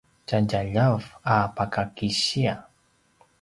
tjadjaljav a pakakisia